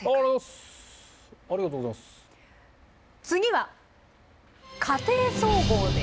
次は「家庭総合」です。